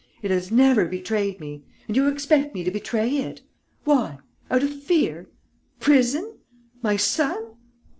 It has never betrayed me; and you expect me to betray it? Why? Out of fear? Prison? My son?